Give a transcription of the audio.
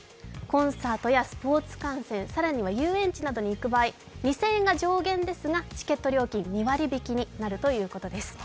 コンサートやスポーツ観戦、更には遊園地に行く場合、２０００円が上限ですが、チケット料金、２割引になるということです。